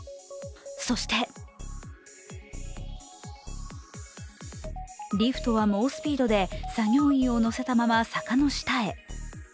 そしてリフトは猛スピードで作業員を乗せたまま坂の下へ。